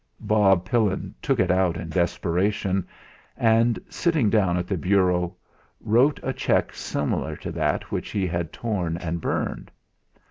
Bob Pillin took it out in desperation, and, sitting down at the bureau, wrote a cheque similar to that which he had torn and burned.